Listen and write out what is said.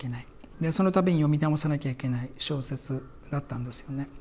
でその度に読み直さなきゃいけない小説だったんですよね。